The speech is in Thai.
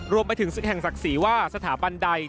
รวมไปถึงศึกแห่งศักดิ์ศรีว่าสถาบันใด